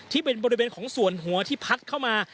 ที่เป็นบริเวณของส่วนหัวที่พัดเข้ามา